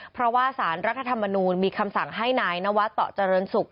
เพราะว่าสารรัฐธรรมนูลมีคำสั่งให้นายนวัดต่อเจริญศุกร์